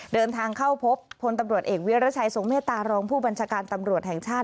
เดินทางเข้าพบพลตำรวจเอกวิรัชัยทรงเมตตารองผู้บัญชาการตำรวจแห่งชาติ